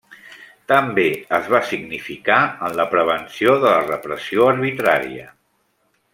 També es va significar en la prevenció de la repressió arbitrària.